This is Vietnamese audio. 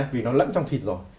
vì nó lẫn trong thịt rồi